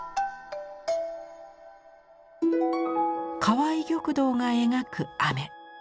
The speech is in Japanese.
川合玉堂が描く雨。